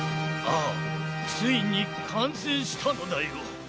ああついにかんせいしたのだよ。